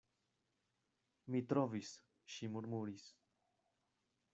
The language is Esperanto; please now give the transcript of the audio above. Mi trovis, ŝi murmuris.